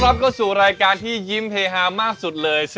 รับเข้าสู่รายการที่ยิ้มเฮฮามากสุดเลย